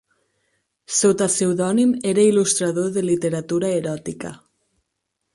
Sota pseudònim era il·lustrador de literatura eròtica.